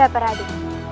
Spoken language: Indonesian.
ada apa radu